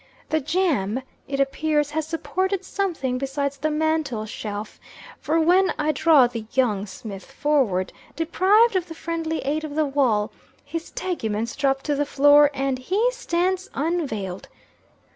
The jamb, it appears, has supported something besides the mantle shelf; for when I draw the young Smith forward, deprived of the friendly aid of the wall, his teguments drop to the floor, and he stands unveiled!